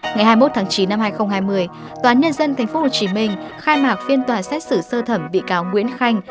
ngày hai mươi một tháng chín năm hai nghìn hai mươi tòa án nhân dân tp hcm khai mạc phiên tòa xét xử sơ thẩm bị cáo nguyễn khanh